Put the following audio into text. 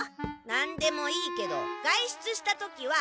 何でもいいけど外出した時は。